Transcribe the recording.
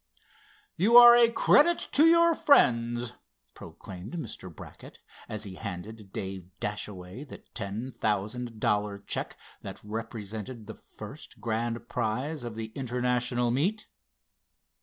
"You are a credit to your friends," proclaimed Mr. Brackett, as he handed Dave Dashaway the ten thousand dollar check that represented the first grand prize of the International meet.